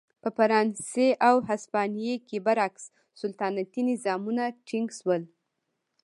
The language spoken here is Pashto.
په فرانسې او هسپانیې کې برعکس سلطنتي نظامونه ټینګ شول.